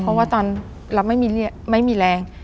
เพราะว่าตอนเราไม่มีแรง